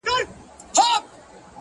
چاته يادي سي كيسې په خـامـوشۍ كــي؛